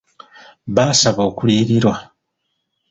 Baasaba okuliyirirwa.